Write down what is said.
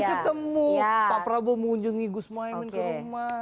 ya sudah bertemu pak prabowo mengunjungi gus muhaymin ke rumah gitu loh